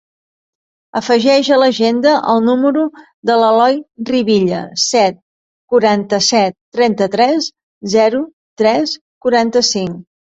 Afegeix a l'agenda el número de l'Eloy Rivilla: set, quaranta-set, trenta-tres, zero, tres, quaranta-cinc.